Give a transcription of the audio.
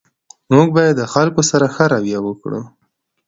موږ باید د خلګو سره ښه رویه وکړو